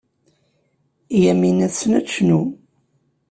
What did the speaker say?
Yamina tessen ad tecnu.